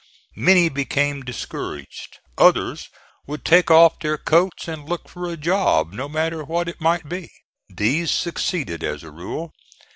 Many became discouraged. Others would take off their coats and look for a job, no matter what it might be. These succeeded as a rule.